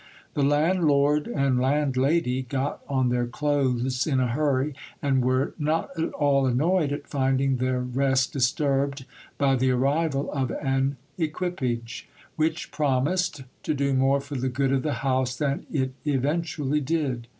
The landlord and landlady got on their clothes in a hurry, and were not at all annoyed at finding their rest disturbed by the arrival of an equipage, which promised to do more for the good of the house than it eventually did.